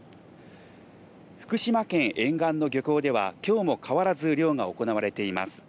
福島県沿岸の漁港では今日も変わらず漁が行われています。